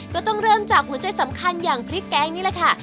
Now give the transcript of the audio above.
ก็ต้องเริ่มจากหัวใจสำคัญอย่างพริกแกงนี่แหละค่ะ